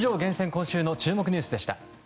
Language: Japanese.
今週の注目ニュースでした。